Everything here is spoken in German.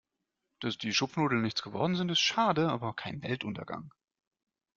Dass die Schupfnudeln nichts geworden sind, ist schade, aber kein Weltuntergang.